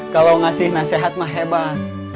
kalau ngasih nasihat mah hebat